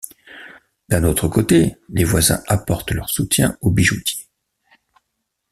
D'un autre côté, les voisins apportent leur soutien au bijoutier.